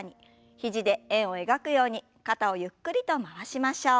肘で円を描くように肩をゆっくりと回しましょう。